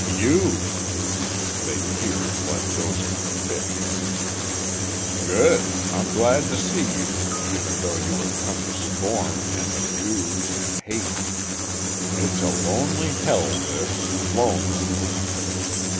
"You?" They peered, like those of a fish. "Good! I'm glad to see you, even though you have come to scorn, and abuse, and hate. It's a lonely hell, this lonely."